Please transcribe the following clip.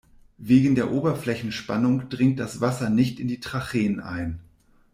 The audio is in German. Wegen der Oberflächenspannung dringt das Wasser nicht in die Tracheen ein.